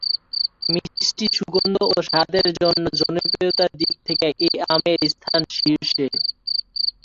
মিষ্টি সুগন্ধ ও স্বাদের জন্য জনপ্রিয়তার দিক থেকে এ আমের স্থান শীর্ষে।